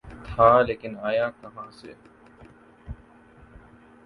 تھا‘ لیکن آیا کہاں سے؟